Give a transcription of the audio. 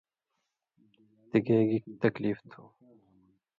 تِگَے گِی تکلیف تُھو؟